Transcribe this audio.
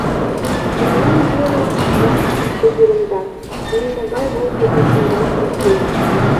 Мемнам йырым-ваш шыгыремдат, нимогай волгыдым ужаш ок лий...